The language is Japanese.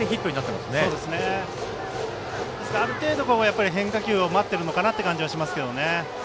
ですから、ある程度変化球を待ってるのかなという感じはしますよね。